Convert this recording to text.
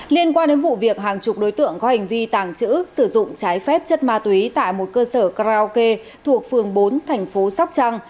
liên quan đến vụ việc hàng chục đối tượng có hành vi tàng trữ sử dụng trái phép chất ma túy tại một cơ sở karaoke thuộc phường bốn thành phố sóc trăng